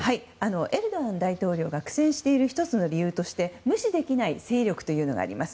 エルドアン大統領が苦戦している１つの理由として無視できない勢力というのがあります。